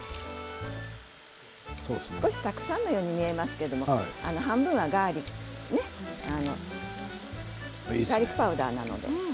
少したくさんのように見えますけど半分はガーリックパウダーです。